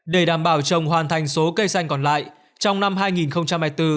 để đảm bảo trồng hoàn thành số cây xanh còn lại trong năm hai nghìn hai mươi bốn